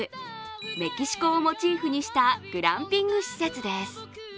メキシコをモチーフにしたグランピング施設です。